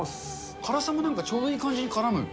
辛さもなんかちょうどいい感じにからむ。